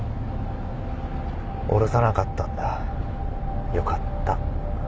おろさなかったんだよかった。